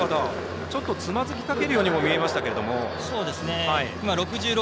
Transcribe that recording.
ちょっとつまずきかけるようにも見えました。